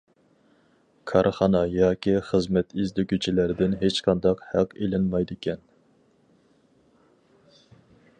كارخانا ياكى خىزمەت ئىزدىگۈچىلەردىن ھېچقانداق ھەق ئىلىنمايدىكەن.